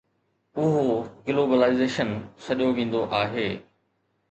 اهو گلوبلائيزيشن سڏيو ويندو آهي.